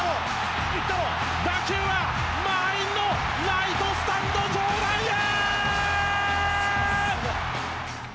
打球は満員のライトスタンド上段へ！